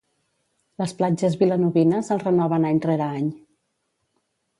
Les platges vilanovines el renoven any rere any.